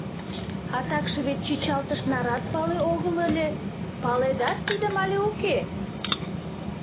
А такше вет чӱчалтыш нарат пале огыл ыле, паледа тидым але уке!